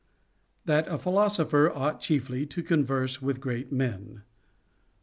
THAT A PHILOSOPHER OUGHT CHIEFLY TO CON VERSE WITH GREAT MEN.* 1.